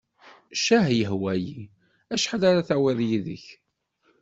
Ccah yehwa-yi. Acḥal ara d-tawiḍ yid-k?